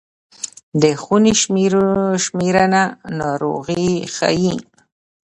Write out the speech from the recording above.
د خونې شمېرنه ناروغي ښيي.